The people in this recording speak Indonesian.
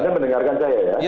anda mendengarkan saya ya